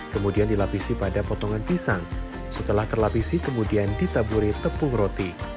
kemudian dilapisi pada potongan pisang setelah terlapisi kemudian ditaburi tepung roti